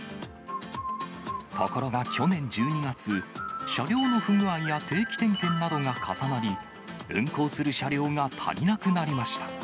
ところが去年１２月、車両の不具合や定期点検などが重なり、運行する車両が足りなくなりました。